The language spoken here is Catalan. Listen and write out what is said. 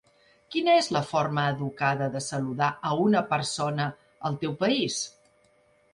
Quina és la forma educada de saludar a una persona al teu país?